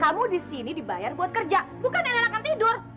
kamu di sini dibayar buat kerja bukan enakan tidur